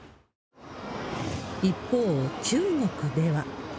一方、中国では。